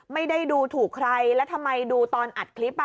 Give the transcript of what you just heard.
ไม่ได้ดูถูกใครแล้วทำไมดูตอนอัดคลิปอ่ะ